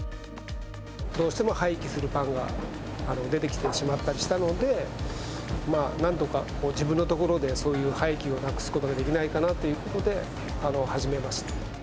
どうしても廃棄するパンが出てきてしまったりしたので、なんとか自分のところでそういう廃棄をなくすことができないかなということで、始めました。